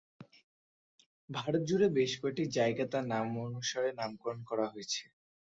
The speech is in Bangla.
ভারত জুড়ে বেশ কয়েকটি জায়গা তার নামানুসারে নামকরণ করা হয়েছে।